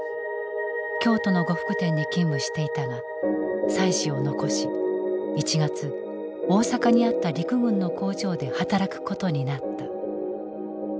京都の呉服店に勤務していたが妻子を残し１月大阪にあった陸軍の工場で働くことになった。